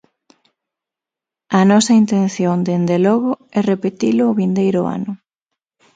A nosa intención, dende logo, é repetilo o vindeiro ano.